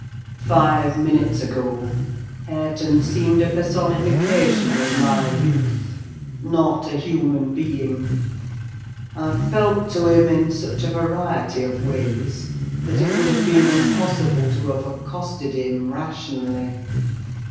"Five minutes ago Hareton seemed a personification of my youth, not a human being; I felt to him in such a variety of ways, that it would have been impossible to have accosted him rationally.